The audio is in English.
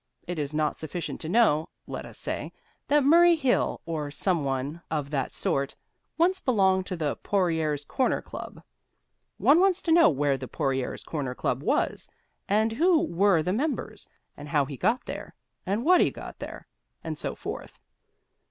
It is not sufficient to know (let us say) that Murray Hill or some one of that sort, once belonged to the Porrier's Corner Club. One wants to know where the Porrier's Corner Club was, and who were the members, and how he got there, and what he got there, and so forth.